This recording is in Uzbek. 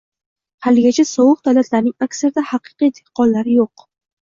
Haligacha sobiq davlatlarining aksarida haqiqiy dexqonlar yoʻq.